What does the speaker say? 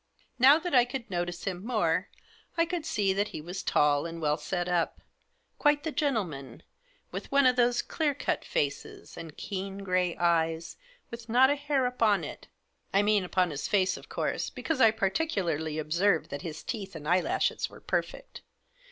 Now that I could notice him more I could see that he was tall and well set up ; quite the gentleman ; with one of those clear cut faces, and keen grey eyes, with not a hair upon it — I mean upon his face, of course, be cause I particularly observed that his teeth and eye lashes were perfect.